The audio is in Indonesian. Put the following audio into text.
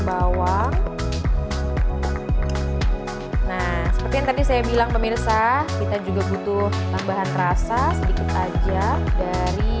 bawang nah seperti yang tadi saya bilang pemirsa kita juga butuh tambahan rasa sedikit tajam dari